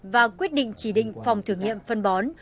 và quyết định chỉ định phòng thử nghiệm phân bó